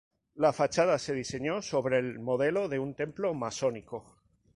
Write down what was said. La fachada se diseñó sobre el modelo de un templo masónico.